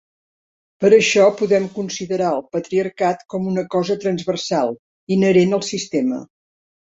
Per això podem considerar el patriarcat com una cosa transversal, inherent al sistema.